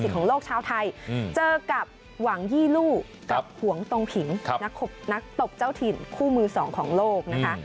ของโลกชาวไทยเจอกับหวังยี่ลู่กับหวงตรงผิงนักตบเจ้าถิ่นคู่มือสองของโลกนะคะ